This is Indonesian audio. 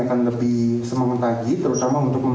para pemenang pun mengaku pertandingan tahun ini